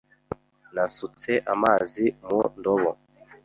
Nasutse amazi mu ndobo.